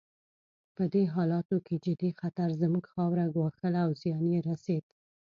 په دې حالاتو کې جدي خطر زموږ خاوره ګواښله او زیان یې رسېد.